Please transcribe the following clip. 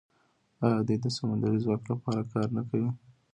آیا دوی د سمندري ځواک لپاره کار نه کوي؟